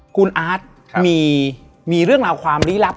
คุณอาร์ตมีเรื่องราวความลี้ลับ